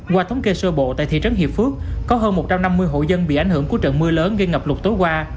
qua thống kê sơ bộ tại thị trấn hiệp phước có hơn một trăm năm mươi hộ dân bị ảnh hưởng của trận mưa lớn gây ngập lụt tối qua